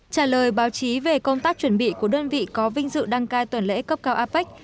trả lời báo chí về công tác chuẩn bị của đơn vị có vinh dự đăng cai tuần lễ cấp cao apec